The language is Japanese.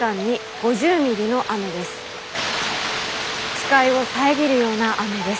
視界を遮るような雨です。